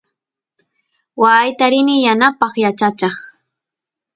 waayta rini yanapaq yachacheq